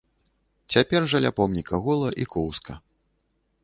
Цяпер жа ля помніка гола і коўзка.